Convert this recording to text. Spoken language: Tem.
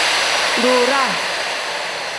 Duuraa.